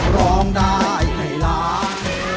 ร้องได้ให้ล้าน